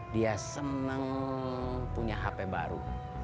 dia senang punya hp baru